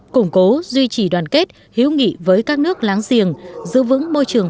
củng cố duy trì đoàn kết hiếu nghị với các nước láng giềng giữ vững môi trường